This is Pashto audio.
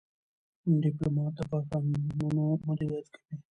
ډيپلومات د بحرانونو مدیریت کوي.